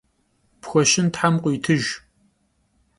Pxueşın them khıuitıjj!